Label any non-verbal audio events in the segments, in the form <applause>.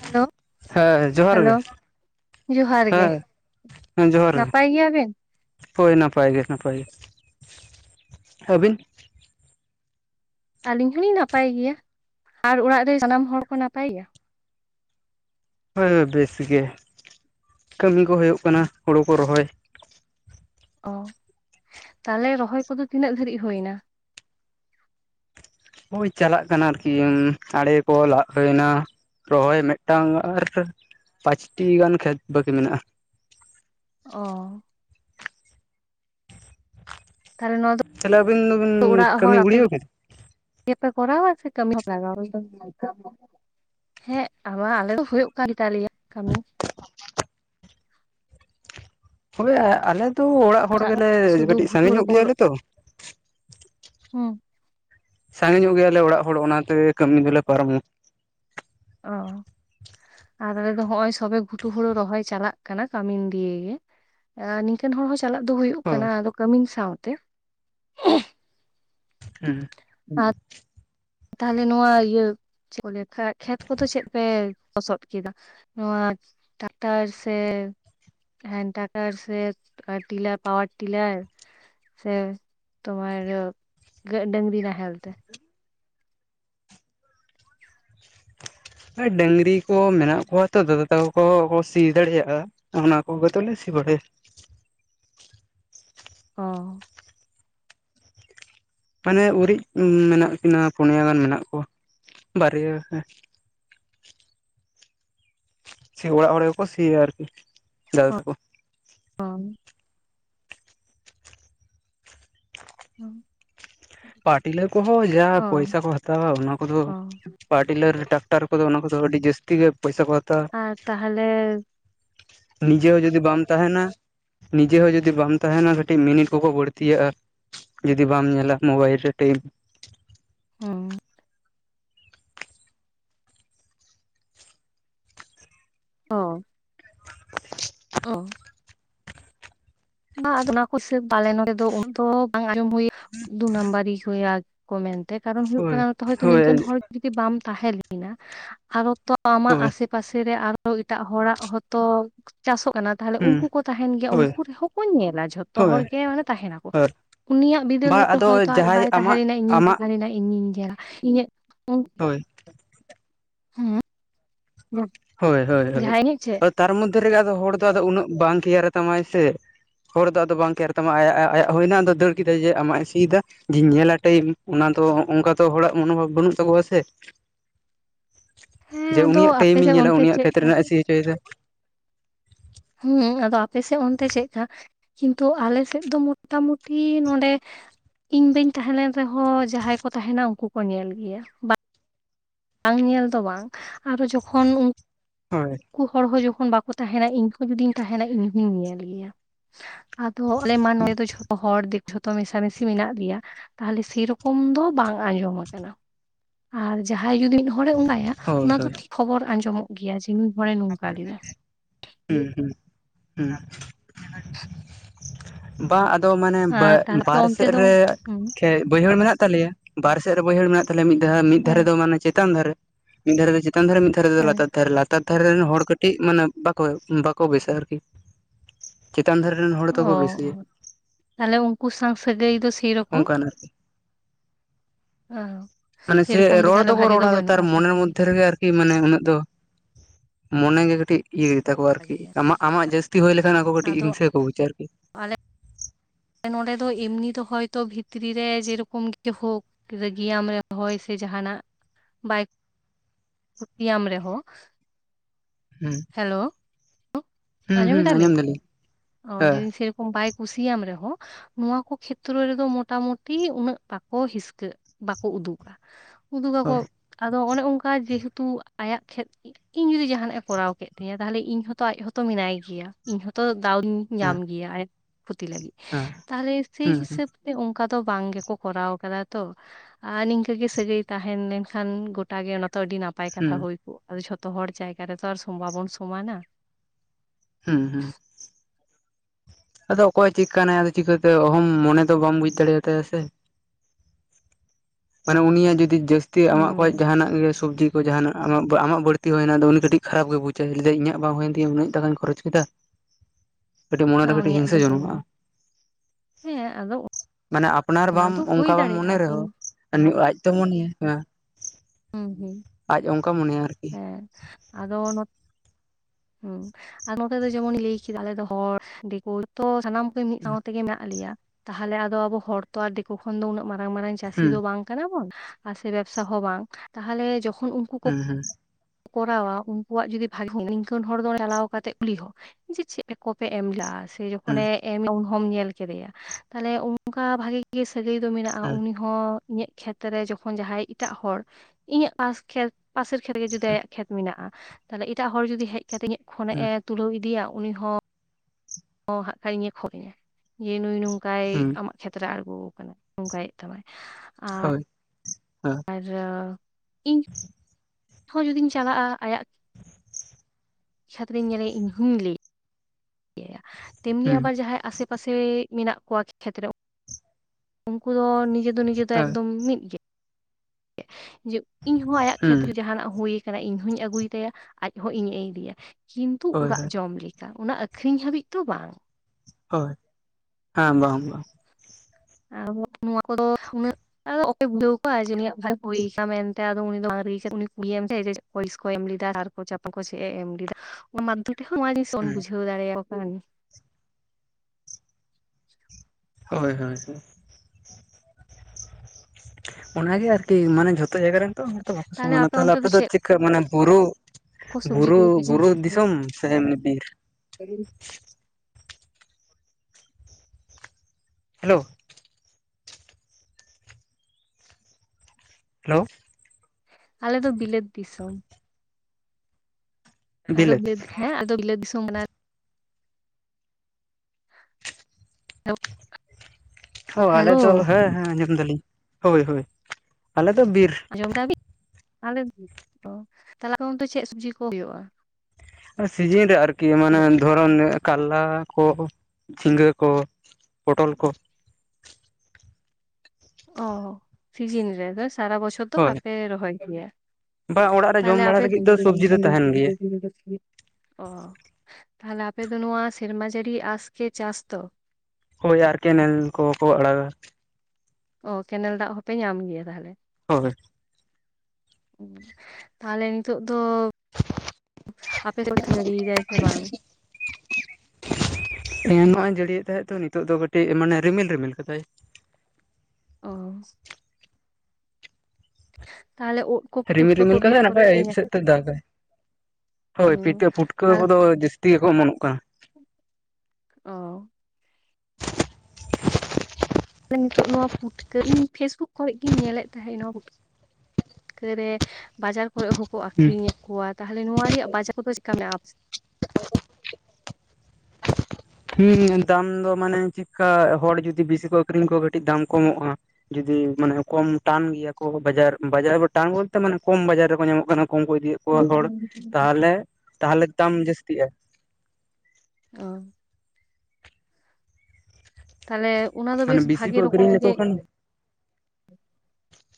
Hello ᱦᱮᱸ ᱡᱚᱦᱟᱨ hello ᱜᱮ ᱡᱚᱦᱟᱨ ᱜᱮ ᱦᱮᱸ ᱦᱮᱸ ᱡᱚᱦᱟᱨ ᱜᱮ ᱾ ᱱᱟᱯᱟᱭ ᱜᱮᱭᱟᱵᱤᱱ ᱦᱳᱭ ᱱᱟᱯᱟᱭ ᱜᱮ ᱱᱟᱯᱟᱭ ᱜᱮ ᱟᱹᱵᱤᱱ ᱟᱹᱞᱤᱧ ᱦᱚ ᱞᱤᱧ ᱱᱟᱯᱟᱭ ᱜᱮᱭᱟ ᱟᱨ ᱚᱲᱟᱜ ᱨᱮ ᱥᱟᱱᱟᱢ ᱦᱚᱲ ᱠᱚ ᱱᱟᱯᱟᱭ ᱜᱮᱭᱟ ᱾ ᱦᱳᱭ ᱦᱳᱭ ᱵᱮᱥ ᱜᱮ ᱠᱟᱹᱢᱤ ᱠᱚ ᱦᱩᱭᱩᱜ ᱠᱟᱱᱟ ᱦᱳᱲᱳ ᱠᱚ ᱨᱚᱦᱚᱭ ᱾ ᱚ ᱛᱟᱦᱚᱞᱮ ᱨᱚᱦᱚᱭ ᱠᱚᱫᱚ ᱛᱤᱱᱟᱹᱜ ᱫᱷᱟᱹᱨᱤᱡ ᱦᱩᱭᱱᱟ? ᱳᱭ ᱪᱟᱞᱟᱜ ᱠᱟᱱᱟ ᱟᱨᱠᱤ ᱟᱲᱮ ᱠᱚ ᱞᱟᱜ ᱦᱩᱭ ᱱᱟ ᱾ ᱨᱚᱦᱚᱭ ᱢᱤᱫᱴᱟᱝ ᱟᱨ ᱯᱟᱸᱪᱴᱤ ᱜᱟᱱ ᱠᱷᱮᱛ ᱵᱟᱹᱠᱤ ᱢᱮᱱᱟᱜᱼᱟ᱾ ᱚ, ᱛᱟᱦᱚᱞᱮ ᱱᱚᱣᱟ ᱫᱚ, ᱛᱟᱦᱚᱞᱮ ᱟᱹᱵᱤᱱ ᱫᱚᱵᱤᱱ ᱠᱟᱹᱢᱤ ᱜᱩᱲᱭᱟᱹᱣ ᱠᱮᱫ ᱡᱮ ᱯᱮ ᱠᱚᱨᱟᱣᱼᱟ ᱥᱮ ᱠᱟᱹᱢᱤ ᱦᱚᱸ, <inaudible> ᱦᱮᱸ ᱟᱢᱟᱜ ᱟᱞᱮ ᱫᱚ ᱦᱩᱭᱩᱜ ᱠᱟᱱ ᱛᱟᱞᱮᱭᱟ ᱠᱟᱹᱢᱤ᱾ ᱦᱳᱭ ᱟ ᱟᱞᱮ ᱫᱚ ᱚᱲᱟᱜ ᱦᱚᱲ ᱜᱮᱞᱮ ᱥᱩᱫᱷᱩ ᱠᱟᱹᱴᱤᱡ ᱜᱷᱩᱴᱩ ᱥᱟᱸᱜᱮ ᱦᱩᱲᱩ ᱧᱚᱜ ᱠᱚ ᱜᱮᱭᱟᱞᱮ ᱛᱚ᱾ ᱦᱩᱸ, ᱥᱟᱸᱜᱮ ᱧᱚᱜ ᱜᱮᱭᱟᱞᱮ ᱚᱲᱟᱜ ᱦᱚᱲ ᱚᱱᱟᱛᱮ ᱠᱟᱹᱢᱤ ᱫᱚᱞᱮ ᱯᱟᱨᱚᱢᱟ᱾ ᱚ, ᱟᱨ ᱟᱞᱮᱫᱚ ᱦᱚᱜᱼᱚᱭ ᱥᱚᱵᱮ ᱜᱷᱩᱴᱩ ᱦᱩᱲᱩ ᱨᱚᱦᱚᱭ ᱪᱟᱞᱟᱜ ᱠᱟᱱᱟ ᱠᱟᱹᱢᱤᱱ ᱫᱤᱭᱮ ᱜᱮ᱾ ᱟ ᱱᱤᱝᱠᱟᱹᱱ ᱦᱚᱲ ᱦᱚᱸ ᱪᱟᱞᱟᱜ ᱫᱚ ᱦᱩᱭᱩᱜ ᱠᱟᱱᱟ ᱦᱳᱭ ᱠᱟᱹᱢᱤᱱ ᱥᱟᱸᱶᱛᱮ᱾ ᱦᱩᱸ, ᱟᱨ ᱛᱟᱦᱚᱞᱮ ᱱᱚᱣᱟ ᱤᱭᱟᱹ ᱪᱮᱫ ᱠᱚ ᱞᱟᱹᱭᱟ ᱠᱷᱟ ᱠᱷᱮᱛ ᱠᱚᱫᱚ ᱪᱮᱫ ᱯᱮ ᱞᱚᱥᱚᱫ ᱠᱮᱫᱟ? ᱱᱚᱣᱟ ᱴᱟᱠᱴᱟᱨ ᱥᱮ, ᱦᱮᱱ ᱴᱟᱠᱴᱟᱨ ᱥᱮ ᱴᱤᱞᱟᱨ ᱯᱟᱣᱟᱨ ᱴᱤᱞᱟᱨ? ᱥᱮ ᱛᱳᱢᱟᱨ ᱰᱟᱝᱨᱤ ᱱᱟᱦᱮᱞ ᱛᱮ? ᱟ ᱰᱟᱹᱝᱨᱤ ᱠᱚ ᱢᱮᱱᱟᱜ ᱠᱚᱣᱟ ᱛᱚ ᱫᱟᱫᱟ ᱛᱟᱠᱚ ᱠᱚ ᱥᱤ ᱫᱟᱲᱮᱭᱟᱜᱼᱟ᱾ ᱚᱱᱟᱠᱚᱜᱮ ᱛᱚᱞᱮ ᱥᱤ ᱵᱟᱲᱟᱭᱟ᱾ ᱚ, ᱢᱟᱱᱮ ᱩᱨᱤᱡ ᱢᱮᱱᱟᱜ ᱠᱤᱱᱟᱹ ᱯᱩᱱᱭᱟ ᱜᱟᱱ ᱢᱮᱱᱟᱜ ᱠᱚᱣᱟ ᱵᱟᱨᱭᱟ ᱥᱤ ᱚᱲᱟᱜ ᱦᱚᱲ ᱜᱮᱠᱚ ᱥᱤᱭᱟ ᱟᱨᱠᱤ᱾ ᱫᱟᱫᱟ ᱚ ᱛᱟᱠᱚ ᱚᱢ ᱦᱮᱸ, ᱯᱟᱨᱴᱤᱞᱟᱹᱣ ᱠᱚᱦᱚᱸ ᱡᱟ ᱯᱚᱭᱥᱟ ᱠᱚ ᱦᱟᱛᱟᱣᱟ ᱚᱱᱟ ᱠᱚᱫᱚ, ᱚ ᱯᱟᱴᱤᱞᱟᱨ ᱰᱟᱠᱴᱟᱨ ᱠᱚᱫᱚ ᱚᱱᱟ ᱠᱚᱫᱚ ᱟᱹᱰᱤ ᱡᱟᱹᱥᱛᱤ ᱜᱮ ᱯᱚᱭᱥᱟ ᱠᱚ ᱦᱟ ᱟᱨ ᱛᱟᱦᱟᱞᱮ, ᱱᱤᱡᱮ ᱦᱚᱸ ᱡᱩᱫᱤ ᱵᱟᱢ ᱛᱟᱦᱮᱱᱟ, ᱱᱤᱡᱮ ᱦᱚᱸ ᱡᱩᱫᱤ ᱵᱟᱢ ᱛᱟᱦᱮᱱᱟ ᱠᱟᱹᱴᱤᱡ ᱢᱤᱱᱤᱴ ᱠᱚᱠᱚ ᱵᱟᱹᱲᱛᱤᱭᱟᱜᱼᱟ ᱡᱩᱫᱤ ᱵᱟᱢ ᱧᱮᱞᱟ᱾ ᱢᱳᱵᱟᱭᱤᱞ ᱨᱮ ᱴᱟᱹᱭᱤᱢ ᱦᱩᱸ ᱚ, ᱚ, ᱵᱟ ᱟᱫᱚ ᱚᱱᱟ ᱠᱚ ᱥᱮ ᱵᱟᱞᱮ ᱱᱚᱰᱮ ᱫᱚ ᱩᱱᱟᱹᱜ ᱫᱚ ᱵᱟᱝ ᱟᱡᱚᱢ ᱦᱩᱭ ᱫᱩ ᱱᱟᱢᱵᱟᱨᱤ ᱦᱩᱭᱟ᱾ ᱠᱚ ᱢᱮᱱᱛᱮ ᱠᱟᱨᱚᱱ ᱦᱩᱭᱩᱜ ᱦᱳᱭ ᱠᱟᱱᱟ ᱛᱚ ᱦᱚᱭᱛᱚ ᱦᱳᱭ ᱱᱤᱝᱠᱟᱹᱱ ᱦᱚᱲ ᱡᱩᱫᱤ ᱵᱟᱢ ᱛᱟᱦᱮᱸ ᱞᱤᱱᱟ ᱟᱨ ᱦᱚᱸ ᱛᱚ, ᱟᱢᱟᱜ ᱦᱳᱭ ᱟᱥᱮ ᱯᱟᱥᱮ ᱨᱮ ᱟᱨᱦᱚ ᱮᱴᱟᱜ ᱦᱚᱲᱟᱜ ᱦᱚᱛᱚ ᱪᱟᱥᱚᱜ ᱠᱟᱱᱟ᱾ ᱛᱟᱦᱞᱮ ᱦᱩᱸ ᱩᱱᱠᱩ ᱠᱚ ᱛᱟᱦᱮᱱ ᱜᱮᱭᱟ ᱦᱳᱭ ᱩᱱᱠᱩ ᱨᱮᱦᱚᱸ ᱠᱚ ᱧᱮᱞᱟ ᱡᱷᱚᱛᱚ ᱦᱚᱲ ᱦᱳᱭ ᱜᱮ ᱢᱟᱱᱮ ᱛᱟᱦᱮᱱᱟᱠᱚ᱾ ᱦᱳᱭ ᱩᱱᱤᱭᱟᱜ ᱵᱤᱫᱟᱹᱞ ᱵᱟ ᱨᱮ ᱟᱫᱚ ᱦᱚᱭᱛᱚ ᱟᱡ ᱡᱟᱦᱟᱸᱭ ᱵᱟᱭ ᱛᱟᱦᱮᱸ ᱟᱢᱟᱜ ᱞᱮᱱᱟ ᱤᱧᱤᱧ ᱟᱢᱟᱜ ᱛᱟᱦᱮᱸᱞᱮᱱᱟ ᱤᱧᱤᱧ ᱧᱮᱞᱟ ᱤᱧᱟᱹᱜ ᱩᱱ ᱦᱳᱭ, ᱦᱮᱸ, ᱦᱳᱭ ᱦᱳᱭ ᱦᱳᱭ ᱟᱫᱚ ᱛᱟᱨ ᱢᱚᱫᱽᱫᱷᱮ ᱨᱮᱜᱮ ᱟᱫᱚ ᱦᱚᱲ ᱫᱚ ᱩᱱᱟᱹᱜ ᱵᱟᱝ ᱠᱮᱭᱟᱨᱟᱛᱟᱢᱟᱭ ᱥᱮ? ᱦᱚᱲ ᱫᱚ ᱟᱫᱚ ᱵᱟᱝ ᱠᱮᱭᱟᱨᱟᱛᱟᱢᱟᱭ ᱟᱭᱟᱜ ᱟᱭᱟᱜ ᱟᱭᱟᱜ ᱦᱩᱭᱱᱟ ᱟᱫᱚ ᱫᱟᱹᱲ ᱠᱮᱫᱟᱭ ᱡᱮ ᱟᱢᱟᱜ ᱮ ᱥᱤᱭᱫᱟ᱾ ᱡᱤᱧ ᱧᱮᱞᱟ ᱴᱟᱭᱤᱢ ᱚᱱᱟ ᱫᱚ ᱚᱝᱠᱟ ᱛᱚ ᱦᱚᱲᱟᱜ ᱢᱚᱱᱳᱵᱷᱟᱵ ᱵᱟᱹᱱᱩᱜ ᱛᱟᱠᱚᱣᱟ ᱥᱮ? <unintelligible> ᱦᱮᱸ ᱡᱮ ᱟᱫᱚ ᱩᱱᱤᱭᱟᱜ ᱟᱯᱮ ᱴᱟᱭᱤᱢᱤᱧ ᱥᱮᱫ ᱧᱮᱞᱟ ᱚᱱᱛᱮ ᱩᱱᱤᱭᱟᱜ ᱠᱷᱮᱛ ᱪᱮᱫᱠᱟ ᱨᱮᱱᱟᱜ ᱮ ᱥᱤ ᱦᱚᱪᱚᱭᱮᱫᱟ᱾ ᱦᱩᱸ ᱟᱫᱚ ᱟᱯᱮ ᱥᱮᱜ ᱚᱱᱛᱮ ᱪᱮᱜᱠᱟ? ᱫᱚ ᱟᱞᱮ ᱥᱮᱜ ᱫᱚ ᱢᱳᱴᱟᱢᱩᱴᱤ ᱱᱚᱰᱮ ᱤᱧ ᱵᱟᱹᱧ ᱛᱟᱦᱮᱸ ᱞᱮᱱ ᱨᱮᱦᱚᱸ ᱡᱟᱸᱦᱟᱸᱭ ᱠᱚ ᱛᱟᱦᱮᱱᱟ ᱩᱱᱠᱩ ᱠᱚ ᱧᱮᱞ ᱜᱮᱭᱟ᱾ <inaudible> ᱵᱟᱝ ᱧᱮᱞ ᱫᱚ ᱵᱟᱝ ᱟᱨᱚ ᱡᱚᱠᱷᱚᱱ ᱩᱱ ᱦᱳᱭ᱾ ᱠᱩ ᱦᱚᱲ ᱦᱚᱸ ᱡᱚᱠᱷᱚᱱ ᱵᱟᱠᱚ ᱛᱟᱦᱮᱱᱟ ᱤᱧ ᱦᱚᱸ ᱡᱩᱫᱤᱧ ᱛᱟᱦᱮᱱᱟ ᱤᱧ ᱦᱚᱧ ᱧᱮᱞ ᱜᱮᱭᱟ᱾ ᱟᱫᱚ ᱟᱞᱮ ᱢᱟ ᱱᱚᱰᱮ ᱫᱚ ᱡᱚᱛᱚ ᱦᱚᱲ ᱫᱮᱠ ᱡᱷᱚᱛᱚ ᱢᱮᱥᱟᱢᱮᱥᱤ ᱢᱮᱱᱟᱜ ᱞᱤᱭᱟ, ᱛᱟᱦᱟᱞᱮ ᱥᱮᱨᱚᱠᱚᱢ ᱫᱚ ᱵᱟᱝ ᱟᱸᱡᱚᱢ ᱟᱠᱟᱱᱟ᱾ ᱟᱨ ᱡᱟᱦᱟᱸᱭ ᱡᱩᱫᱤ ᱢᱤᱫ ᱦᱚᱲᱮ <inaudible> ᱦᱳᱭ ᱚᱱᱟ ᱫᱚ ᱦᱳᱭ ᱴᱷᱤᱠ ᱠᱷᱚᱵᱚᱨ ᱟᱸᱡᱚᱢᱚᱜ ᱜᱮᱭᱟ ᱡᱮ ᱱᱩᱭ ᱦᱚᱲᱮ ᱱᱚᱝᱠᱟ ᱞᱮᱫᱟ᱾ ᱦᱩᱸ ᱦᱩᱸ ᱦᱩᱸ᱾ ᱵᱟ ᱟᱫᱚ ᱢᱟᱱᱮ ᱵᱟ ᱟᱨ ᱛᱟᱦᱚᱞᱮ ᱟᱯᱮ ᱵᱟᱨ ᱚᱱᱛᱮ ᱥᱮᱜ ᱫᱚ ᱨᱮ᱾ ᱦᱩᱸ ᱦᱮᱸ ᱵᱟᱹᱭᱦᱟᱹᱲ ᱢᱮᱱᱟᱜ ᱛᱟᱞᱮᱭᱟ ᱵᱟᱨ ᱥᱮᱜ ᱨᱮ ᱵᱟᱹᱭᱦᱟᱹᱲ ᱢᱮᱱᱟᱜ ᱛᱟᱞᱮᱭᱟ ᱢᱤᱫ ᱫᱷᱟ ᱢᱤᱫ ᱦᱮᱸ ᱫᱷᱟᱨᱮ ᱫᱚ ᱢᱟᱱᱮ ᱪᱮᱛᱟᱱ ᱫᱷᱟᱨᱮ᱾ ᱢᱤᱫ ᱫᱷᱟᱨᱮ ᱫᱚ ᱪᱮᱛᱟᱱ ᱫᱷᱟᱨᱮ ᱢᱤᱫ ᱫᱷᱟᱨᱮ ᱫᱚ ᱦᱮᱸ ᱞᱟᱛᱟᱨ ᱫᱷᱟᱨᱮ ᱞᱟᱛᱟᱨ ᱫᱷᱟᱨᱮ ᱨᱮᱱ ᱦᱚᱲ ᱠᱟᱹᱴᱤᱡ ᱢᱟᱱᱮ ᱵᱟ ᱠᱚ, ᱵᱟᱠᱚ ᱵᱮᱥᱟ ᱟᱨᱠᱤ ᱪᱮᱛᱟᱱ ᱫᱷᱟᱨᱮ ᱨᱮᱱ ᱦᱚᱲ ᱫᱚᱠᱚ ᱵᱮᱥᱜᱤᱭᱟ᱾ ᱛᱷᱟᱞᱮ ᱩᱱᱠᱩ ᱥᱟᱶ ᱥᱟᱹᱜᱟᱭ ᱫᱚ ᱥᱮᱨᱚᱠᱚᱢ ᱚᱱᱠᱟᱱ ᱟᱨᱠᱤ ᱚ ᱢᱟᱱᱮ ᱥᱮ ᱥᱮᱨᱚᱠᱚᱢ ᱫᱚ ᱛᱟᱦᱞᱮ ᱵᱷᱟᱜᱤ ᱫᱚ ᱵᱟᱹᱱᱩᱜᱼᱟ ᱥᱟᱹᱜᱟᱭ ᱾ ᱤ ᱢᱟᱱᱮ ᱩᱱᱟᱹᱜ ᱫᱚ, ᱢᱚᱱᱮ ᱜᱮ ᱠᱟᱹᱴᱤᱡ ᱤᱭᱟᱹ ᱛᱟᱠᱚᱣᱟ ᱟᱨ ᱠᱤ ᱵᱷᱟᱜᱮᱭᱟ ᱟᱢᱟᱜ ᱟᱢᱟᱜ ᱡᱟᱹᱥᱛᱤ ᱦᱩᱭ ᱞᱮᱠᱷᱟᱱ ᱟᱠᱚ ᱠᱟᱹᱴᱤᱡ ᱟᱫᱚ ᱦᱤᱝᱥᱟᱹ ᱠᱚ ᱵᱩᱡᱟ ᱟᱨᱠᱤ᱾ ᱟᱞᱮ ᱱᱚᱰᱮ ᱫᱚ ᱮᱢᱱᱤ ᱫᱚ ᱦᱚᱭᱛᱚ ᱵᱷᱤᱛᱨᱤ ᱨᱮ ᱡᱮᱨᱚᱠᱚᱢ ᱜᱮ ᱦᱳᱠ ᱨᱟᱹᱜᱤᱭᱟᱢ ᱨᱮᱦᱚᱭ ᱥᱮ ᱡᱟᱸᱦᱟᱸᱱᱟᱜ ᱵᱟᱭ ᱛᱷᱩᱛᱤᱭᱟᱢ ᱨᱮᱦᱚᱸ ᱦᱩᱸ ᱦᱮᱞᱳ, ᱦᱩᱸ ᱦᱩᱸ ᱟᱸᱡᱚᱢᱮᱫᱟ ᱵᱤᱱ, ᱟᱸᱡᱚᱢ ᱫᱟᱞᱤᱧ ᱚ ᱦᱮᱸ ᱞᱟᱹᱭᱫᱤᱧ ᱥᱮᱨᱚᱠᱚᱢ ᱵᱟᱭ ᱠᱩᱥᱤᱭᱟᱢ ᱨᱮᱦᱚᱸ ᱱᱚᱣᱟ ᱠᱚ ᱠᱷᱮᱛᱨᱚ ᱨᱮᱫᱚ ᱢᱳᱴᱟᱢᱩᱴᱤ ᱩᱱᱟᱹᱜ ᱵᱟᱠᱚ ᱦᱤᱥᱠᱟᱹᱜ ᱵᱟᱠᱚ ᱩᱫᱩᱜᱟ᱾ ᱩᱫᱩ ᱜᱟᱠᱚ ᱦᱳᱭ ᱟᱫᱚ ᱚᱱᱮ ᱚᱱᱠᱟ ᱡᱮᱦᱮᱛᱩ ᱟᱭᱟᱜ ᱠᱷᱮᱛ ᱤ ᱤᱧ ᱡᱩᱫᱤ ᱡᱟᱦᱟᱱᱟᱜᱼᱮ ᱠᱚᱨᱟᱣ ᱠᱮᱫ ᱛᱤᱧᱟ ᱛᱟᱦᱞᱮ ᱤᱧ ᱦᱚᱛᱚ ᱟᱡᱦᱚᱛᱚ ᱢᱮᱱᱟᱭ ᱜᱤᱭᱟ ᱤᱧ ᱦᱚᱛᱚ ᱫᱟᱣᱧ ᱧᱟᱢ ᱦᱮᱸ ᱜᱮᱭᱟ ᱟᱡ ᱯᱷᱩᱛᱤ ᱞᱟᱜᱤᱜ, ᱛᱟᱦᱞᱮ ᱥᱮᱭ ᱦᱮᱸ ᱦᱤᱥᱟᱹᱵ ᱚᱱᱠᱟ ᱫᱚ ᱵᱟᱝ ᱜᱮᱠᱚ ᱠᱚᱨᱟᱣ ᱠᱟᱫᱟ ᱛᱚ ᱟᱨ ᱱᱤᱝᱠᱟᱹ ᱜᱮ ᱥᱟᱹᱜᱟᱹᱭ ᱛᱟᱦᱮᱸ ᱞᱮᱱᱠᱷᱟᱱ ᱜᱚᱴᱟ ᱜᱮ ᱚᱱᱟᱛᱚ ᱟᱰᱤ ᱱᱟᱯᱟᱭ ᱦᱩᱸ ᱦᱩᱸ ᱠᱟᱛᱷᱟ ᱦᱩᱭ ᱠᱚᱜ, ᱟᱫᱚ ᱡᱷᱚᱛᱚ ᱦᱚᱲ ᱡᱟᱭᱜᱟ ᱨᱮᱛᱚ ᱟᱨ <inaudible> ᱵᱟᱵᱚᱱ ᱥᱚᱢᱟᱱᱟ᱾ ᱦᱮᱸ ᱦᱮᱸ ᱟᱫᱚ ᱚᱠᱚᱭ ᱪᱮ ᱠᱟᱱᱟᱭ ᱟᱫᱚ ᱪᱤᱠᱟᱹᱛᱮ ᱚᱦᱚᱢ ᱢᱚᱱᱮ ᱫᱚ ᱵᱟᱢ ᱵᱩᱡ ᱫᱟᱲᱮᱭᱟᱜ ᱛᱟᱭᱟ ᱥᱮ᱾ ᱢᱟᱱᱮ ᱩᱱᱤᱭᱟᱜ ᱡᱚᱫᱤ ᱡᱟᱹᱥᱛᱤ ᱟᱢᱟᱜ ᱠᱷᱚᱡ ᱦᱩᱸ ᱡᱟᱦᱟᱱᱟᱜ ᱜᱮ ᱥᱚᱵᱡᱤ ᱡᱟᱸᱦᱱᱟᱜ ᱟᱢᱟᱜ ᱵᱟᱹᱲᱛᱤ ᱦᱩᱭᱮᱱᱟ ᱟᱫᱚ ᱩᱱᱤ ᱠᱟᱹᱴᱤᱡ ᱠᱷᱟᱨᱟᱯ ᱜᱮ ᱵᱩᱡᱟᱭ ᱪᱮᱫᱟ ᱤᱧᱟᱹᱜ ᱵᱟᱝ ᱦᱩᱭᱮᱱ ᱛᱤᱧᱟᱹ ᱩᱱᱟᱹᱜ ᱴᱟᱠᱟᱧ ᱠᱷᱚᱨᱚᱪ ᱠᱮᱫᱟ᱾ <inaudible> ᱠᱟᱹᱴᱤᱡ ᱢᱚᱱᱮ ᱟᱨ ᱨᱮ ᱩᱱᱤᱭᱟᱜ ᱫᱚ ᱦᱤᱝᱥᱟ. ᱦᱩᱭᱱᱟ ᱡᱚᱱᱢᱚᱜᱼᱟ᱾ ᱦᱮᱸ ᱟᱫᱚ ᱢᱟᱱᱮ ᱟᱯᱱᱟᱨ ᱚᱱᱟ ᱵᱟᱢ ᱫᱚ ᱦᱩᱭ ᱚᱱᱠᱟ ᱵᱟᱢ ᱫᱟᱲᱮᱭᱟᱜᱼᱟ ᱢᱚᱱᱮ ᱠᱤᱱ ᱨᱮᱦᱚᱸ ᱟᱨ ᱩᱱᱤ ᱟᱡ ᱛᱚ ᱢᱚᱱᱮᱭᱟ <inaudible> ᱦᱮᱸ᱾ ᱦᱩᱸ ᱦᱩᱸ ᱟᱡ ᱚᱱᱠᱟ ᱢᱚᱱᱮᱭᱟ ᱟᱨᱠᱤ ᱦᱮᱸ ᱟᱫᱚ, ᱦᱩᱸ ᱟᱨ ᱱᱚᱛᱮ ᱫᱚ ᱡᱮᱢᱚᱱᱤᱧ ᱞᱟᱹᱭ ᱠᱮᱫᱟ ᱟᱞᱮ ᱫᱚ ᱦᱚᱲ ᱫᱤᱠᱩ ᱛᱚ ᱥᱟᱱᱟᱢ ᱢᱤᱫ ᱦᱩᱸ ᱥᱟᱶ ᱛᱮᱜᱮ ᱢᱮᱱᱟᱜ ᱞᱮᱭᱟ, ᱛᱟᱦᱚᱞᱮ ᱟᱫᱚ ᱟᱵᱚ ᱦᱚᱲ ᱛᱚ ᱟᱨ ᱫᱤᱠᱩ ᱠᱷᱚᱱ ᱫᱚ ᱩᱱᱟᱹᱜ ᱢᱟᱨᱟᱝ ᱢᱟᱨᱟᱝ ᱪᱟᱹᱥᱤ ᱦᱩᱸ ᱫᱚ ᱵᱟᱝ ᱠᱟᱱᱟ ᱵᱚᱱ ᱟᱨ ᱥᱮ ᱵᱮᱵᱥᱟ ᱦᱚᱸ ᱵᱟᱝ ᱛᱟᱦᱚᱞᱮ ᱡᱚᱠᱷᱚᱱ ᱦᱩᱸ ᱦᱩᱸ ᱠᱚᱨᱟᱣᱟ ᱩᱱᱠᱩᱣᱟᱜ ᱡᱩᱫᱤ ᱵᱷᱟᱜᱤ ᱱᱤᱝᱠᱟᱹᱱ ᱦᱚᱲ ᱫᱚ ᱪᱟᱞᱟᱣ ᱠᱟᱛᱮᱫ <inaudible> ᱡᱮ ᱪᱮᱫ ᱠᱚᱯᱮ ᱮᱢᱞᱟᱼᱟ, ᱥᱮ ᱦᱩᱸ ᱡᱚᱠᱷᱚᱱᱮ ᱮᱢᱟ ᱩᱱᱦᱚᱢ ᱧᱮᱞ ᱠᱮᱫᱮᱭᱟ, ᱛᱟᱦᱞᱮ ᱚᱱᱠᱟ ᱵᱷᱟᱜᱤ ᱜᱮ ᱥᱟᱹᱜᱟᱹᱭ ᱫᱚ ᱢᱮᱱᱟᱜᱼᱟ ᱦᱩᱸ ᱩᱱᱤ ᱦᱚᱸ ᱤᱧᱟᱹᱜ ᱠᱷᱮᱛ ᱨᱮ ᱡᱚᱠᱷᱚᱱ ᱡᱟᱸᱦᱟᱸᱭ ᱮᱴᱟᱜ ᱦᱚᱲ᱾ ᱤᱧᱟᱹᱜ ᱯᱟᱥ ᱠᱷᱮᱛ ᱯᱟᱥᱮᱨ ᱠᱷᱮᱛ ᱜᱮ ᱡᱩᱫᱤ ᱟᱭᱟᱜ ᱠᱷᱮᱛ ᱢᱮᱱᱟᱜᱼᱟ ᱛᱟᱞᱦᱮ ᱮᱴᱟᱜ ᱦᱚᱲ ᱡᱩᱫᱤ ᱦᱮᱡ ᱠᱟᱛᱮ ᱤᱧᱟᱹᱜ ᱠᱷᱚᱱᱮ ᱦᱩᱸ ᱮ ᱛᱩᱞᱟᱹᱣ ᱤᱫᱤᱭᱟ ᱩᱱᱤ ᱦᱚᱸ ᱚ ᱦᱟᱸᱜ ᱠᱷᱟᱱ ᱤᱧᱮ ᱠᱷᱚᱡᱤᱧᱟ ᱡᱮ ᱱᱩᱭ ᱱᱚᱝᱠᱟᱭ ᱦᱩᱸ ᱟᱢᱟᱜ ᱠᱷᱮᱛᱨᱮ ᱟᱬᱜᱚ ᱟᱠᱟᱱᱟ ᱚᱝᱠᱟᱭᱮᱫ ᱛᱟᱢᱟᱭ ᱾ ᱦᱳᱭ ᱦᱮᱸ ᱾ ᱟᱨ ᱾ <unintelligible> ᱦᱚᱸ ᱡᱩᱫᱤᱧ ᱪᱟᱞᱟᱜᱼᱟ ᱟᱭᱟᱜ ᱪᱦᱟᱛ ᱨᱤᱧ ᱧᱮᱞᱮᱭᱟ ᱤᱧ ᱦᱩᱝᱞᱤ ᱛᱮᱢᱱᱤ ᱦᱩᱸ ᱟᱵᱟᱨ ᱡᱟᱦᱟᱸᱭ ᱟᱥᱮ ᱯᱟᱥᱮ ᱢᱮᱱᱟᱜ ᱠᱚᱣᱟ ᱠᱷᱮᱛᱨᱮ ᱩᱱᱠᱩ ᱫᱚ ᱱᱤᱡᱮ ᱫᱚ ᱱᱤᱡᱮ ᱫᱚ ᱦᱳᱭ ᱮᱠᱫᱚᱢ ᱢᱤᱫ ᱜᱮᱭᱟ ᱡᱮ ᱤᱧᱦᱚᱸ ᱟᱭᱟᱜ ᱦᱩᱸ ᱠᱷᱮᱛᱨᱮ ᱡᱟᱦᱟᱱᱟᱜ ᱦᱩᱭ ᱤᱧ ᱦᱚᱧ ᱟᱹᱜᱩᱭ ᱛᱟᱭᱟ ᱟᱡ ᱦᱚᱸ ᱤᱧ ᱮ ᱤᱫᱤᱭᱟ ᱠᱤᱱᱛᱩ ᱦᱳᱭ ᱚᱲᱟᱜ ᱦᱳᱭ ᱡᱚᱢ ᱞᱮᱠᱟ ᱾ ᱚᱱᱟ ᱟᱠᱷᱨᱤᱧ ᱦᱟᱹᱵᱤᱡ ᱛᱚ ᱵᱟᱝ ᱦᱳᱭ ᱦᱮᱸ ᱵᱟᱝ ᱵᱟᱝ ᱾ ᱟᱵᱚ ᱱᱚᱣᱟ ᱠᱚᱫᱚ ᱩᱱᱟᱹᱜ ᱟ ᱟᱫᱚ ᱚᱠᱚᱭ ᱵᱩᱡᱷᱟᱹᱣᱟ ᱡᱮ ᱩᱱᱤᱭᱟᱜ ᱵᱷᱟᱜ ᱦᱩᱭᱠᱟᱱᱟ ᱢᱮᱱᱛᱮ ᱟᱫᱚ ᱩᱱᱤ ᱫᱚ ᱵᱟᱝ ᱩᱱᱤ ᱠᱩᱲᱤᱭᱟᱜ ᱡᱮ ᱯᱚᱭᱥ ᱠᱚ ᱮᱢ ᱞᱮᱫᱟ ᱟᱨ ᱠᱚ ᱪᱟᱯᱟ ᱠᱚ ᱪᱮᱫ ᱮᱢ ᱞᱮᱫᱟ ᱚᱱᱟ ᱢᱟᱫᱽᱫᱚᱢ ᱦᱚᱸ ᱡᱤᱱᱤᱥ ᱵᱚᱱ ᱦᱩᱸ ᱵᱩᱡᱷᱟᱹᱣᱟᱲᱮᱭᱟᱜ ᱠᱟᱱᱟ <inaudible> <inaudible> ᱦᱳᱭ ᱦᱳᱭ ᱦᱩ ᱾ ᱚᱱᱟᱜᱮ ᱟᱨᱠᱤ ᱢᱟᱱᱮ ᱡᱷᱚᱛᱚ ᱡᱟᱭᱜᱟ ᱨᱮᱱ ᱛᱚ ᱵᱟᱠᱚ ᱛᱟᱦᱚᱞᱮ ᱥᱚᱢᱟᱱᱟ ᱛᱟᱦᱞᱮ ᱚᱱᱛᱮ ᱟᱯᱮ ᱫᱚ ᱪᱮᱫ ᱪᱮᱫᱟᱹ ᱢᱟᱱᱮ ᱵᱩᱨᱩ ᱠᱚ ᱥᱚᱵᱽᱡᱤ ᱵᱩᱨᱩ ᱠᱚᱫᱚ ᱯᱮ ᱵᱩᱨᱩ ᱫᱤᱥᱚᱢ ᱥᱮᱱ ᱵᱤᱨ? ᱟᱹᱰᱤ <inaudible> ᱦᱮᱞᱳ ᱾ ᱦᱮᱞᱳ ᱾ ᱟᱞᱮ ᱫᱚ ᱵᱤᱞᱟᱹᱛ ᱫᱤᱥᱚᱢ ᱾ ᱵᱤᱞᱟᱹᱛ ᱟᱞᱮᱫᱚ ᱦᱮᱸ ᱟᱞᱮᱫᱚ ᱵᱮᱞᱟᱹᱛ ᱫᱤᱥᱚᱢ ᱠᱟᱱᱟ ᱦᱮᱞ <unintelligible> ᱦᱚ ᱟᱞᱮ ᱫᱚ ᱦᱮᱸ ᱦᱮᱸ ᱟᱧᱡᱚᱢ ᱫᱟᱞᱤᱧ ᱦᱳᱭ ᱦᱳᱭ ᱟᱞᱮ ᱫᱚ ᱵᱤᱨ ᱾ ᱟᱸᱡᱚᱢ ᱫᱟᱵᱤᱱ ᱟᱞᱮ ᱫᱚ ᱛᱟᱦᱞᱮ ᱚᱱᱛᱮ ᱫᱚ ᱪᱮᱫ ᱥᱚᱵᱡᱤ ᱠᱚ ᱦᱩᱭᱩᱜᱼᱟ ᱾ ᱥᱤᱡᱤᱱ ᱨᱮ ᱟᱨᱠᱤ ᱢᱟᱱᱮ ᱫᱷᱚᱨᱚᱱ ᱮ ᱾ ᱠᱟᱞᱞᱟ ᱠᱚ, ᱡᱷᱤᱸᱜᱟᱹ ᱠᱚ, ᱯᱚᱴᱚᱞ ᱠᱚ ᱾ ᱚ ᱥᱤᱡᱤᱱ ᱨᱮ ᱫᱚ ᱥᱟᱨᱟ ᱵᱚᱪᱷᱚᱨ ᱫᱚ ᱦᱳᱭ ᱵᱟᱯᱮ ᱨᱚᱦᱚᱭ ᱜᱮᱭᱟ? ᱵᱟ ᱚᱲᱟᱜ ᱨᱮ ᱛᱟᱦᱞᱮ ᱡᱚᱢ ᱵᱟᱲᱟ ᱟᱯᱮ <inaudible> ᱞᱟᱹᱜᱤᱫ ᱫᱚ ᱥᱚᱵᱽᱡᱤ ᱫᱚ ᱛᱟᱦᱮᱱ ᱜᱮᱭᱟ ᱚ ᱛᱟᱦᱚᱞᱮ ᱟᱯᱮ ᱫᱚ ᱱᱚᱣᱟ ᱥᱮᱨᱢᱟ ᱡᱟᱹᱲᱤ ᱟᱸᱥᱜᱮ ᱪᱟᱹᱥ ᱫᱚ? ᱦᱳᱭ ᱟᱨ ᱠᱮᱱᱮᱞ ᱠᱚᱠᱚ ᱟᱲᱟᱜ-ᱟ ᱾ ᱚ ᱠᱮᱱᱮᱞ ᱫᱟᱜ ᱦᱚᱸᱯᱮ ᱧᱟᱢ ᱜᱮᱭᱟ ᱛᱟᱦᱚᱞᱮ ᱾ ᱦᱳᱭ ᱾ ᱛᱟᱦᱚᱞᱮ ᱱᱤᱛᱳᱜ ᱫᱚ ᱟᱯᱮ ᱥᱮᱫ <inaudible> ᱫᱟᱭ ᱥᱮ ᱵᱟᱝ? <inaudible> ᱛᱮᱦᱮᱸᱱ ᱱᱚᱜᱼᱚᱭ ᱡᱟᱹᱲᱤᱭᱮᱫ ᱛᱟᱦᱮᱸᱫ ᱛᱚ ᱱᱤᱛᱚᱜ ᱫᱚ ᱠᱟᱹᱴᱤᱡ ᱢᱟᱱᱮ ᱨᱤᱢᱤᱞ ᱨᱤᱢᱤᱞ ᱠᱟᱫᱟᱭ ᱾ ᱚ ᱾ ᱛᱟᱦᱚᱞᱮ ᱳᱫ ᱨᱤᱢᱤᱞ ᱨᱤᱢᱤᱞ ᱠᱟᱫᱟᱭ ᱱᱟᱜ ᱠᱷᱟᱱ ᱟᱹᱭᱩᱵᱽ ᱥᱮᱫ ᱛᱮ ᱫᱟᱜᱽᱟᱭ ᱾ ᱦᱳᱭ, ᱯᱤᱴᱟᱹ ᱯᱷᱩᱴᱠᱟᱹ ᱠᱚᱫᱚ ᱡᱟᱹᱥᱛᱤ ᱜᱮ ᱠᱚ ᱚᱢᱚᱱᱚᱜ ᱠᱟᱱᱟ ᱾ ᱚ ᱾ ᱱᱤᱛᱚᱜ ᱱᱚᱣᱟ ᱯᱩᱴᱠᱟᱹ ᱤᱧ ᱯᱷᱮᱥᱵᱩᱠ ᱠᱚᱨᱮ ᱜᱤᱧ ᱧᱮᱞᱮᱫ ᱛᱟᱦᱮᱸᱫ ᱱᱚᱣᱟ ᱯᱩᱴᱼᱼ ᱪᱠᱟᱹᱨᱮ ᱵᱟᱡᱟᱨ ᱠᱚᱨᱮ ᱦᱚᱸᱠᱚ ᱦᱩᱸ ᱟᱠᱷᱨᱤᱧ ᱮᱫ ᱠᱚᱣᱟ, ᱛᱟᱦᱚᱞᱮ ᱱᱚᱣᱟ ᱨᱮᱭᱟᱜ ᱵᱟᱡᱟᱨ ᱠᱚᱫᱚ ᱪᱮᱠᱟ <inaudible> ᱟᱯᱮ ᱦᱮᱸ ᱫᱟᱢ ᱫᱚ ᱢᱟᱱᱮ ᱪᱮᱫᱠᱟ ᱦᱚᱸᱲ ᱡᱩᱫᱤ ᱵᱤᱥᱤ ᱠᱚ ᱟᱠᱷᱨᱤᱝ ᱠᱚᱣᱟ ᱠᱟᱹᱴᱤᱡ ᱫᱟᱢ ᱠᱚᱢᱚᱜ-ᱟ᱾ ᱡᱩᱫᱤ ᱢᱟᱱᱮ ᱠᱚᱢ ᱴᱟᱱ ᱜᱮᱭᱟ ᱠᱚ ᱵᱟᱡᱟᱨ ᱵᱟᱡᱟᱨ ᱴᱟᱱ ᱵᱳᱞᱛᱮ ᱢᱟᱱᱮ ᱠᱚᱢ ᱵᱟᱡᱟᱨ ᱨᱮᱠᱚ ᱧᱟᱢᱚᱜ ᱠᱟᱱᱟ ᱠᱚᱢ ᱠᱚ ᱤᱫᱤ ᱠᱚᱣᱟ᱾ ᱚ ᱟᱠᱚ ᱦᱚᱲ ᱛᱟᱦᱚᱞᱮ ᱛᱟᱦᱚᱞᱮ ᱫᱟᱢ ᱡᱟᱹᱥᱛᱤᱜ-ᱟ᱾ ᱚ᱾ ᱛᱟᱦᱚᱞᱮ ᱚᱱᱟ ᱫᱚ ᱢᱟᱱᱮ ᱵᱮᱥ ᱵᱮᱥᱤ ᱵᱷᱟᱜᱮ ᱠᱚ ᱨᱚᱠᱚᱢ ᱟᱹᱠᱷᱨᱤᱧ ᱜᱮ ᱞᱮᱠᱚ ᱠᱷᱟᱱ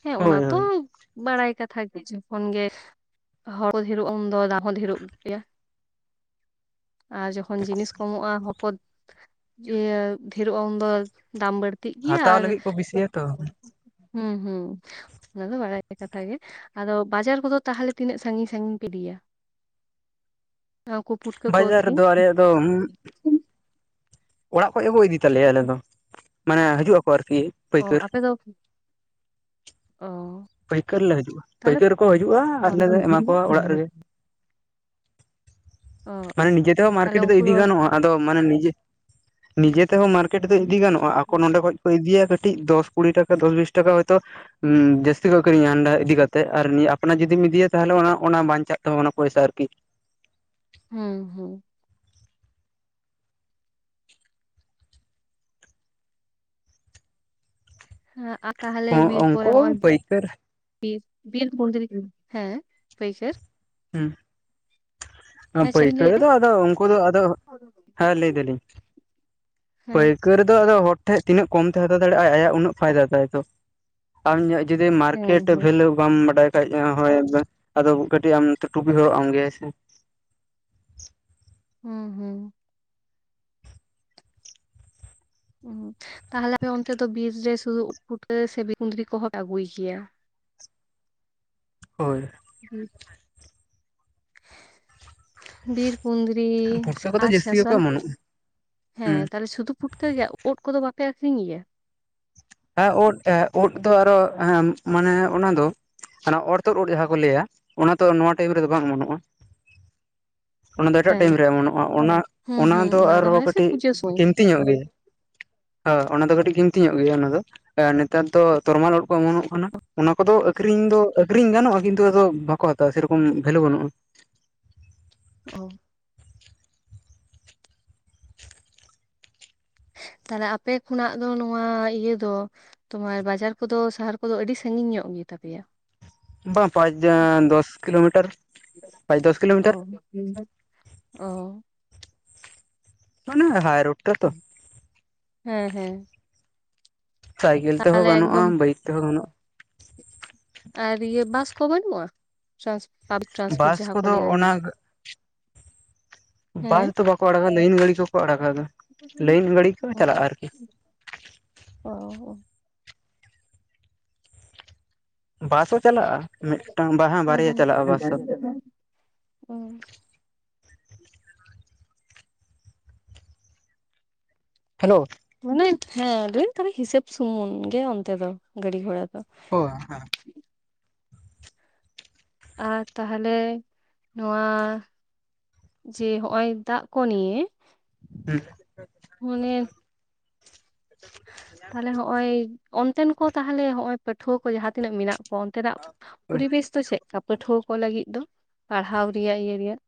ᱦᱮᱸ ᱚᱱᱟ ᱦᱳᱭ ᱛᱚ ᱦᱳᱭ ᱵᱟᱲᱟᱭ ᱠᱟᱛᱷᱟ ᱜᱮ ᱡᱚᱠᱷᱚᱱ ᱜᱮ ᱦᱚᱸᱲ ᱰᱷᱮᱨᱚᱜ ᱩᱱ ᱫᱚ ᱫᱟᱢ ᱦᱚᱸ ᱰᱷᱮᱨᱚᱜ ᱜᱮᱭᱟ᱾ <unintelligible> ᱟᱨ ᱡᱚᱠᱷᱚᱱ ᱡᱤᱱᱤᱥ ᱠᱚᱢᱚᱜ-ᱟ, ᱦᱚᱲ ᱤᱭᱟᱹ ᱰᱷᱮᱨᱚᱜ-ᱟ ᱩᱱᱫᱚ ᱫᱟᱢ ᱵᱟᱹᱲ ᱛᱤᱜ ᱜᱮᱭᱟ ᱦᱟᱛᱟᱣ ᱟᱨ ᱞᱟᱹᱜᱤᱫ ᱠᱚ ᱵᱮᱥᱤᱭᱟ ᱛᱚ <unintelligible> ᱩᱸ ᱦᱩᱸ ᱚᱱᱟ ᱫᱚ ᱵᱟᱲᱟᱭ ᱠᱟᱛᱷᱟ ᱜᱮ᱾ ᱟᱫᱚ ᱵᱟᱡᱟᱨ ᱠᱚᱫᱚ ᱛᱟᱦᱚᱞᱮ ᱛᱤᱱᱟᱹᱜ ᱥᱟᱹᱜᱤᱧ ᱥᱟᱹᱜᱤᱧ ᱤᱫᱤᱭᱟ? <unintelligible> ᱵᱟᱡᱟᱨ ᱟᱹᱠᱷᱨᱤᱧ? ᱨᱮᱫᱚ ᱟᱞᱮᱭᱟᱜ ᱫᱚ ᱚᱲᱟᱜ ᱠᱷᱚᱡ ᱦᱚᱸᱠᱚ ᱤᱫᱤ ᱛᱟᱞᱮᱭᱟ ᱟᱞᱮ ᱫᱚ ᱢᱟᱱᱮ ᱦᱤᱡᱩᱜ ᱟᱠᱚ ᱟᱨᱠᱤ᱾ ᱚ ᱯᱟᱹᱭᱠᱟᱹᱨ ᱟᱯᱮ ᱫᱚ ᱚ ᱯᱟᱹᱭᱠᱟᱹᱨ ᱞᱮ ᱦᱤᱡᱩᱜ-ᱟ᱾ ᱛᱟᱦᱞᱮ ᱯᱟᱹᱭᱠᱟᱹᱨ ᱠᱚ ᱦᱤᱡᱩᱜ-ᱟ ᱚ ᱟᱨ ᱞᱮ ᱮᱢᱟ ᱠᱚᱣᱟ ᱚᱲᱟᱜ ᱨᱮᱜᱮ᱾ ᱚ ᱢᱟᱱᱮ ᱱᱤᱡᱮ ᱛᱮᱦᱚᱸ ᱛᱟᱦᱞᱮ ᱢᱟᱨᱠᱮᱴ ᱫᱚ ᱩᱱᱠᱩ ᱤᱫᱤ ᱜᱟᱱᱚᱜ-ᱟ ᱟᱫᱚ ᱢᱟᱱᱮ ᱱᱤᱡᱮ ᱱᱤᱡᱮ ᱛᱮᱦᱚᱸ ᱢᱟᱨᱠᱮᱴ ᱫᱚ ᱤᱫᱤ ᱜᱟᱱᱚᱜ-ᱟ, ᱟᱠᱚ ᱱᱚᱸᱰᱮ ᱠᱷᱚᱱᱚᱡ ᱠᱚ ᱤᱫᱤᱭᱟ ᱠᱟᱹᱴᱤᱡ ᱫᱚᱥ ᱠᱩᱲᱤ ᱴᱟᱠᱟ ᱫᱚᱥ ᱵᱤᱥ ᱴᱟᱠᱟ ᱦᱚᱭᱛᱚ ᱦᱩᱸ ᱡᱟ ᱛᱤ ᱟᱹᱠᱤᱨᱤᱧᱟ ᱦᱟᱸᱰᱮ ᱤᱫᱤ ᱠᱟᱛᱮ ᱟᱨ ᱱᱤᱭᱟᱹ ᱟᱯᱱᱟᱨ ᱡᱩᱫᱤᱢ ᱤᱫᱤᱭᱤᱭᱟ ᱛᱟᱦᱚᱞᱮ ᱚᱱᱟ ᱚᱱᱟ ᱵᱟᱸᱧᱪᱟᱜ ᱛᱟᱢᱟ, ᱢᱟᱱᱮ ᱯᱚᱭᱥᱟ ᱟᱨᱠᱤ᱾ ᱦᱩᱸ ᱦᱩᱸ᱾ ᱦᱮᱸ ᱟ ᱛᱟᱦᱚᱞᱮ ᱵᱤᱨ ᱠᱚᱨᱮ ᱩᱱᱠᱩ ᱦᱚᱸᱜ ᱯᱟᱹᱭᱠᱟᱹᱨ ᱵᱤᱨ ᱵᱤᱨ ᱠᱩᱸᱫᱽᱨᱤ <unintelligible> ᱦᱮᱸ ᱯᱟᱹᱭᱠᱟᱹᱨ <unintelligible> ᱟ ᱦᱮᱸ ᱪᱮᱫ ᱵᱤᱱ ᱯᱟᱹᱭᱠᱟᱹᱨ ᱞᱟᱹᱭᱮᱫ ᱫᱚ ᱟᱫᱚ ᱩᱱᱠᱩ ᱫᱚ ᱟᱫᱚ ᱛᱟᱦᱮᱸ ᱦᱮᱸ ᱞᱟᱹᱭ ᱫᱟᱹᱞᱤᱧ ᱦᱮᱸ ᱯᱟᱹᱭ ᱠᱟᱹᱨ ᱫᱚ ᱟᱫᱚ ᱦᱚᱸᱲ ᱴᱷᱮᱡ ᱛᱤᱱᱟᱹᱜ ᱠᱚᱢ ᱛᱮ ᱦᱟᱛᱟᱣ ᱫᱟᱲᱮᱭᱟᱜ-ᱟ ᱟᱭᱟᱜ ᱩᱱᱟᱹᱜ ᱯᱷᱟᱭᱫᱟ ᱛᱟᱭ ᱛᱚ᱾ ᱟᱢᱟᱜ ᱡᱩᱫᱤ ᱦᱮᱸ ᱢᱟᱨᱠᱮᱴ ᱦᱮᱸ ᱵᱷᱮᱞᱩ ᱵᱟᱢ ᱵᱟᱰᱟᱭ ᱠᱷᱟᱡ ᱦᱚᱸ-ᱚᱭ ᱟᱫᱚ ᱠᱟᱹᱴᱤᱡ ᱟᱢ ᱴᱩᱯᱤ ᱦᱚᱨᱚᱜ ᱟᱢ ᱜᱮᱭᱟᱭ ᱥᱮ᱾ ᱦᱩᱸ ᱦᱩᱸ᱾ ᱛᱟᱦᱚᱞᱮ ᱟᱯᱮ ᱚᱱᱛᱮ ᱫᱚ ᱵᱤᱨ ᱨᱮ ᱥᱩᱫᱩ ᱩᱫ ᱯᱷᱩᱴᱟᱹ ᱥᱮ ᱠᱩᱸᱫᱽᱨᱤ ᱠᱚᱦᱚᱸ ᱯᱮ ᱟᱹᱜᱩᱭ ᱜᱮᱭᱟ? ᱦᱳᱭ ᱾ <unintelligible> ᱵᱤᱨ ᱠᱩᱸᱫᱽᱨᱤ ᱯᱩᱴᱠᱟᱹ <unintelligible> ᱠᱚᱫᱚ ᱟᱪ ᱡᱟᱹᱥᱛᱤ ᱜᱮᱠᱚ ᱥᱟᱥᱚᱞ ᱚᱢᱚᱱᱚᱜᱼᱟ ᱦᱩᱸ ᱦᱮᱸ ᱛᱟᱦᱟᱞᱮ ᱥᱩᱫᱩ ᱯᱷᱩᱴᱠᱟᱹ ᱜᱮ ᱩᱫ ᱠᱚᱫᱚ ᱵᱟᱯᱮ ᱟᱠᱷᱨᱤᱧ ᱜᱮᱭᱟ? ᱦᱮᱸ ᱳᱫ ᱮ ᱳᱫ ᱫᱚ ᱟᱨᱚ ᱦᱮᱸ ᱢᱟᱱᱮ ᱚᱱᱟ ᱫᱚ ᱚᱱᱟ ᱚᱨᱛᱚᱫ ᱳᱫ ᱡᱟᱦᱟᱸ ᱠᱚ ᱞᱟᱹᱭᱟ ᱚᱱᱟ ᱫᱚ ᱱᱚᱣᱟ ᱴᱟᱭᱤᱢ ᱨᱮᱫᱚ ᱵᱟᱝ ᱚᱚᱱᱚᱜ-ᱟ᱾ <unintelligible> ᱚᱱᱟ ᱫᱚ ᱮᱴᱟᱜ ᱦᱮᱸ ᱴᱟᱭᱤᱢ ᱨᱮ ᱮᱢᱚᱱᱚᱜ-ᱟ ᱚᱱᱟ ᱦᱩᱸ ᱚᱱᱟ ᱦᱩᱸ ᱫᱚ ᱟᱨᱦᱚᱸ ᱦᱟᱱᱮ ᱥᱮ ᱠᱟᱹᱴᱤᱡ ᱯᱩᱡᱟᱹ ᱥᱚᱢᱚᱭ ᱠᱤᱢᱛᱤ ᱧᱚᱜ ᱜᱮᱭᱟ ᱦᱚ ᱚᱱᱟ ᱫᱚ ᱠᱟᱹᱴᱤᱡ ᱠᱤᱢᱛᱤ ᱧᱚᱜ ᱜᱮᱭᱟ ᱚᱱᱟ ᱫᱚ᱾ ᱮ ᱱᱮᱛᱟᱨ ᱫᱚ ᱛᱚᱨᱢᱟᱞ ᱳᱫᱚ ᱠᱚ ᱮᱢᱚᱱᱚᱜ ᱠᱟᱱᱟ᱾ ᱚᱱᱟ ᱠᱚᱫᱚ ᱟᱠᱷᱨᱤᱧ ᱫᱚ ᱟᱠᱷᱨᱤᱧ ᱜᱟᱱᱚᱜ-ᱟ ᱠᱤᱱᱛᱩ ᱟᱫᱚ ᱵᱟᱠᱚ ᱦᱟᱛᱟᱣᱟ ᱥᱮᱨᱚᱠᱚᱢ ᱵᱷᱮᱞᱩ ᱵᱟᱱᱩᱜ-ᱟ᱾ ᱚ᱾ ᱛᱟᱦᱞᱮ ᱟᱯᱮ ᱠᱷᱚᱱᱟᱜ ᱫᱚ ᱱᱚᱣᱟ ᱤᱭᱟᱹ ᱫᱚ ᱛᱳᱢᱟᱨ ᱵᱟᱡᱟᱨ ᱠᱚᱫᱚ ᱥᱟᱦᱟᱨ ᱠᱚᱫᱚ ᱟᱹᱰᱤ ᱥᱟᱺᱜᱤᱧ ᱧᱚᱜ ᱜᱮᱛᱟᱯᱮᱭᱟ ᱵᱟᱝ ᱯᱟᱸᱪᱡᱟ ᱫᱚᱥ ᱠᱤᱞᱳᱢᱤᱴᱟᱨ ᱯᱟᱸᱪ ᱫᱚᱥ ᱠᱤᱞᱳᱢᱤᱴᱟᱨ ᱸ <inaudible> ᱚᱻ ᱚᱱᱟ ᱦᱟᱭ ᱨᱳᱰ ᱛᱮ ᱛᱚ ᱦᱮᱸ ᱦᱮᱸ ᱥᱟᱭᱠᱮᱞ ᱛᱮᱦᱚᱸ ᱛᱟᱦᱚᱞᱮ ᱜᱟᱱᱚᱜᱼᱟ ᱮᱠᱫᱚᱢ ᱵᱟᱭᱤᱠ ᱛᱮᱦᱚᱸ ᱜᱟᱱᱚᱜ ᱟᱨ ᱤᱭᱟᱹ ᱵᱟᱥ ᱠᱚ ᱵᱟᱹᱱᱩᱜᱼᱟ ᱵᱟᱥ ᱠᱚᱫᱚ ᱚᱱᱟ <unintelligible> ᱵᱟᱥ ᱦᱮᱸ ᱫᱚ ᱵᱟᱠᱚ ᱟᱲᱟᱜᱟ ᱞᱟᱹᱭᱤᱱ ᱜᱟᱹᱲᱤ ᱠᱚᱠᱚ ᱟᱲᱟᱜᱟ ᱟᱫᱚ ᱞᱟᱹᱭᱤᱱ ᱜᱟᱹᱲᱤ ᱠᱚ ᱪᱟᱞᱟᱜᱼᱟ ᱟᱨᱠᱤ ᱚᱻ ᱵᱟᱥ ᱦᱚᱸ ᱪᱟᱞᱟᱜᱼᱟ ᱢᱤᱫᱴᱟᱝ ᱵᱟ ᱵᱟᱨᱭᱟ ᱪᱟᱞᱟᱜᱼᱟ ᱵᱟᱥ ᱦᱚ <unintelligible> ᱦᱮᱞᱳ ᱢᱟᱱᱮ ᱦᱮᱸ ᱞᱟᱹᱭ ᱛᱟᱦᱚᱞᱮ ᱦᱤᱥᱟᱹᱵ ᱥᱩᱢᱩᱱ ᱜᱮ ᱚᱱᱛᱮ ᱫᱚ ᱜᱟᱹᱰᱤ ᱜᱷᱚᱲᱟ ᱫᱚ ᱦᱳ ᱦᱮᱸ ᱟᱨ ᱛᱟᱦᱚᱞᱮ ᱱᱚᱣᱟ ᱡᱮ ᱦᱚᱜᱼᱚᱭ ᱫᱟᱜ ᱠᱚ ᱱᱤᱭᱮ ᱦᱮᱸ ᱢᱚᱱᱮ ᱛᱟᱞᱦᱮ ᱦᱚᱸᱜᱼᱚᱭ ᱚᱱᱛᱮᱱ ᱠᱚ ᱛᱟᱦᱮᱞᱮ ᱦᱚᱸᱜᱼᱚᱭ ᱯᱟᱹᱴᱷᱣᱟᱹ ᱠᱚ ᱡᱟᱦᱟᱸᱛᱤᱱᱟᱹᱜ ᱢᱮᱱᱟᱜ ᱚᱱᱛᱮᱱᱟᱜ ᱯᱚᱨᱤᱵᱮᱥ ᱫᱚ ᱪᱮᱫᱠᱟ ᱯᱟᱹᱴᱷᱩᱣᱟᱹ ᱠᱚ ᱞᱟᱹᱜᱤᱫ ᱫᱚ ᱯᱟᱲᱦᱟᱣ ᱨᱮᱭᱟᱜ ᱤᱭᱟᱹ ᱨᱮᱭᱟᱜ